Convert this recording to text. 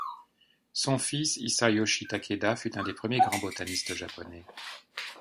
Son fils Hisayoshi Takeda fut un des premiers grands botanistes japonais.